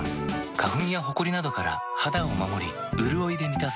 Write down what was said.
花粉やほこりなどから肌を守りうるおいで満たす。